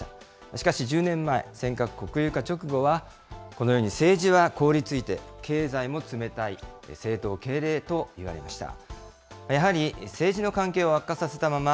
しかし１０年前、尖閣国有化直後は、このように政治は凍りついて、経済も冷たい、政凍経冷といわれました。